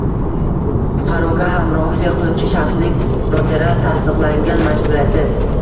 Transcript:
fuqaroga hamrohlik qiluvchi shaxsning notarial tasdiqlangan majburiyati